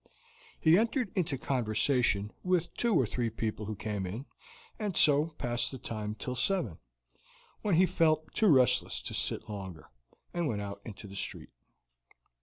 He entered into conversation with two or three people who came in, and so passed the time till seven, when he felt too restless to sit still longer, and went out into the street.